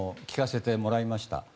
聞かせてもらいました。